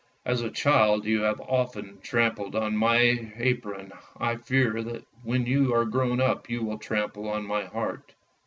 "As a child you have often trampled on my apron, I fear when you are grown up you will trample on my heart!